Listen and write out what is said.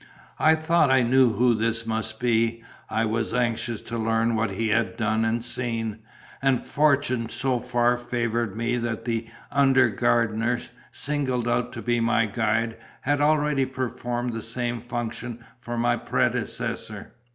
I thought I knew who this must be; I was anxious to learn what he had done and seen; and fortune so far favoured me that the under gardener singled out to be my guide had already performed the same function for my predecessor.